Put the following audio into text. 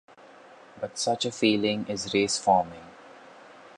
But such a feeling is race-forming.